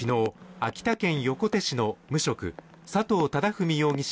秋田県横手市の無職・佐藤忠文容疑者